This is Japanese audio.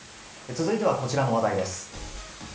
続いてはこちらの話題です。